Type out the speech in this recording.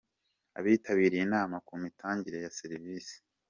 Abitabiriye inama ku mitangire ya serivisi.